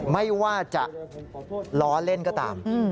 ไม่ว่าจะล้อเล่นก็ตาม